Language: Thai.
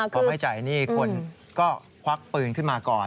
พอไม่จ่ายหนี้คนก็ควักปืนขึ้นมาก่อน